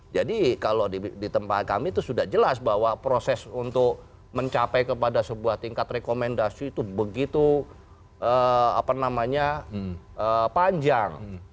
jadi kalau di tempat kami itu sudah jelas bahwa proses untuk mencapai kepada sebuah tingkat rekomendasi itu begitu panjang